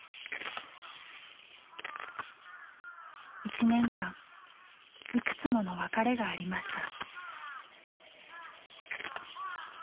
一年間いくつもの別れがありました。